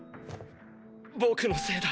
僕のせいだ